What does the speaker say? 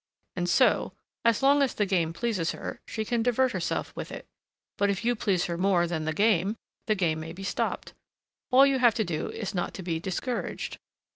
And so, as long as the game pleases her, she can divert herself with it; but if you please her more than the game, the game may be stopped. All you have to do is not to be discouraged.